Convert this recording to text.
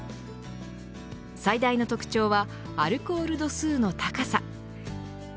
最大の特徴はアルコール度数の高さ。